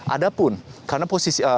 ada pun karena posisi